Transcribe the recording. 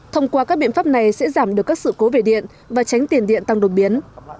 thông qua các biện pháp này sẽ giảm được các sự cố về điện và tránh tiền điện tăng đột biến